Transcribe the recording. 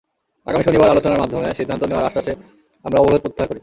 আগামী শনিবার আলোচনার মাধ্যমে সিদ্ধান্ত নেওয়ার আশ্বাসে আমরা অবরোধ প্রত্যাহার করি।